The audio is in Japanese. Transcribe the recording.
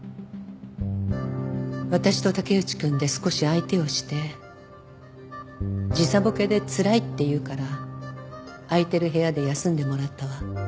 私と竹内くんで少し相手をして時差ボケでつらいって言うから空いている部屋で休んでもらったわ。